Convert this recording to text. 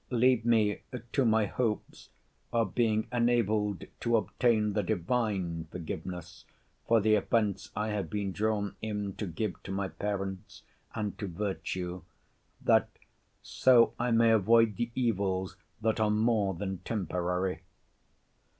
Leave me to my hopes of being enabled to obtain the Divine forgiveness for the offence I have been drawn in to give to my parents and to virtue; that so I may avoid the evils that are more than temporary.